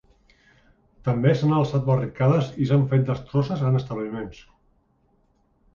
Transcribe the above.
També s’han alçat barricades i s’han fet destrosses en establiments.